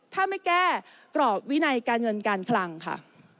ถ้าไม่แก้กรอบวินัยการเงินการคลังค่ะ